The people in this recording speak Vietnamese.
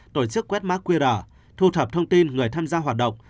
tổ chức quét mã qr thu thập thông tin người tham gia hoạt động